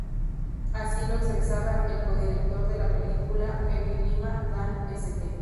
Así lo expresaban el co-director de la película Kevin Lima, Dan St.